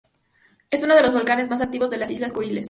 Es uno de los volcanes más activos de las islas Kuriles.